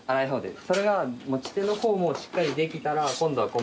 それが持ち手の方もしっかりできたら今度は細かい方。